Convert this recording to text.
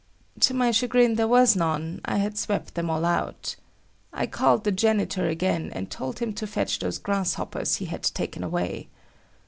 To my chagrin, there was none; I had swept them all out. I called the janitor again and told him to fetch those grasshoppers he had taken away.